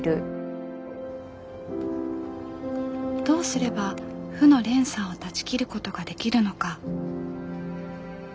どうすれば負の連鎖を断ち切ることができるのか。